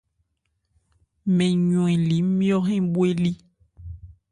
Mɛn ywɛnli nmyɔ́ hɛ́n bhwelí.